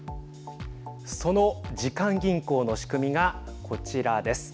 その時間銀行の仕組みがこちらです。